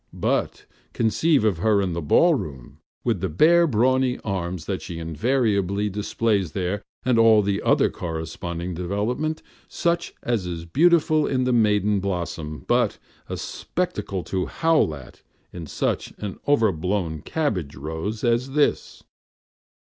But conceive of her in a ball room, with the bare, brawny arms that she invariably displays there, and all the other corresponding development, such as is beautiful in the maiden blossom, but a spectacle to howl at in such an over blown cabbage rose as this.